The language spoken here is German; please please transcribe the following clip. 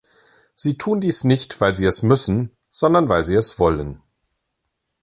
Sie tun dies nicht, weil sie es müssen, sondern weil sie es wollen.